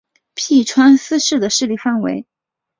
麓川思氏的势力范围。